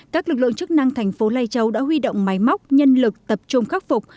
các lực lượng chức năng thành phố lai châu đã huy động máy móc nhân lực tập trung khắc phục